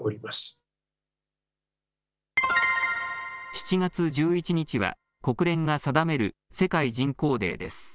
７月１１日は国連が定める世界人口デーです。